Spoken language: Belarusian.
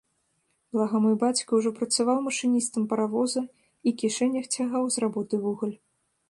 Блага, мой бацька ўжо працаваў машыністам паравоза і кішэнях цягаў з работы вугаль.